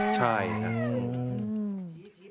ใช่ครับ